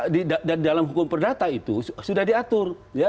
dan dalam hukum perdata itu sudah diatur